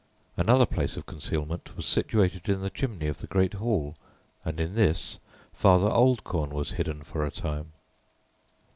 Another place of concealment was situated in the chimney of the great hall and in this Father Oldcorn was hidden for a time.